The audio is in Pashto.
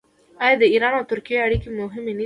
آیا د ایران او ترکیې اړیکې مهمې نه دي؟